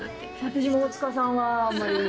私も「大塚さん」はあまり。